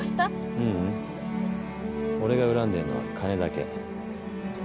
ううん俺が恨んでんのは金だけ。